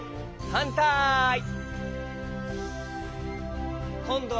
はんたい。